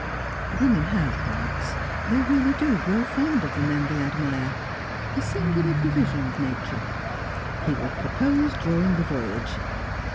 Women have "hearts"; they really do grow fond of the men they admire; a singular provision of nature. He would propose during the voyage.